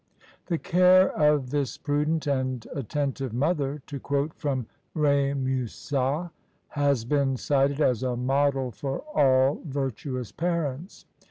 "The care of this prudent and attentive mother," to quote from Remusat, "has been cited as a model for all virtuous parents.